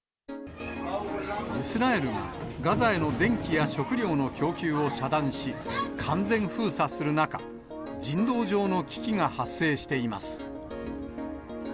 イスラエルがガザへの電気や食料の供給を遮断し、完全封鎖する中、人道上の危機が発生しています。